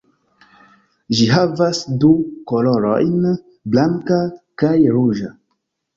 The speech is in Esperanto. Ĝi havas du kolorojn: blanka kaj ruĝa.